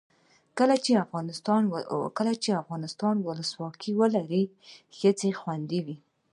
کله چې افغانستان کې ولسواکي وي ښځې خوندي وي.